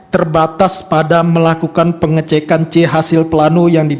terbatas pada melakukan pengecekan c hasil pelanu